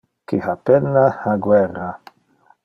Qui ha penna, ha guerra.